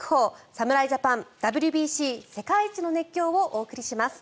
侍ジャパンＷＢＣ世界一の熱狂！」をお送りします。